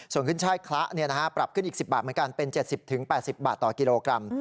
ส่วนขึ้นช่ายคละปรับขึ้นอีก๑๐บาทเหมือนกันเป็น๗๐๘๐บาทต่อกิโลกรัม